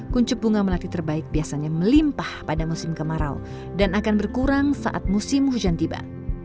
kuncup bunga melati terbaik biasanya melimpah pada musim kemarau dan akan berkurang saat musim hujan tiba